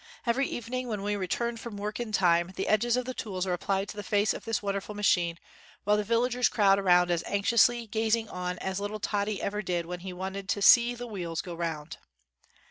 Every evening when we re turn from work in time, the edges of the tools are applied to the face of this wonder ful machine, while the villagers crowd around as anxiously gazing on as little Toddy ever did when he wanted 'to see the w'eels go wound.'